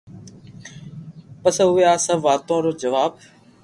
پسو اووي آ سب واتون رو جواب